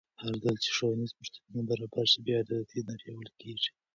هرځل چې ښوونیز فرصتونه برابر شي، بې عدالتي نه پیاوړې کېږي.